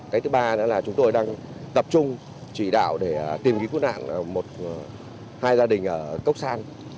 cái thứ ba là chúng tôi đang tập trung chỉ đạo để tìm ghi cú nạn hai gia đình ở cốc san